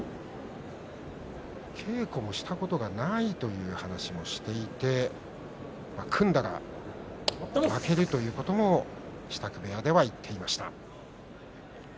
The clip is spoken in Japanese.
稽古もしたことがないという話をしていて組んだら負けるということも支度部屋では言っていました。